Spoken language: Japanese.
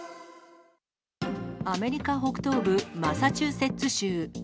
アメリカ北東部マサチューセッツ州。